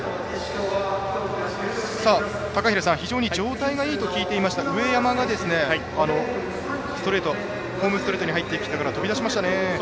高平さん、非常に状態がいいと聞いていました上山が、ホームストレートに入ってきてから飛び出しましたね。